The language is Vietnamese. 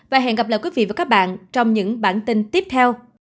và hẹn gặp lại các bạn trong những bản tin tiếp theo